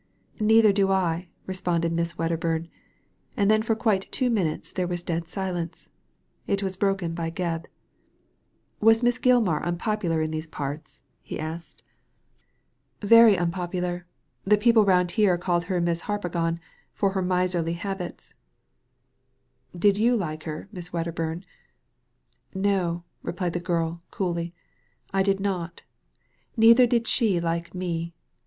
"Neither do I," responded Miss Wedderbum ; and then for quite two minutes there was a dead silence. It was broken by Gebb. "Was Miss Gilmar unpopular in these parts?" he asked. Digitized by Google 100 THE LADY FROM NOWHERE "Very unpopular; the people round here called her Mrs. Harpagon, from her miserly habits." " Did you like her, Miss Wedderbum ?" '*Nol" replied the girl, coolly, "I did not; neither did she like me.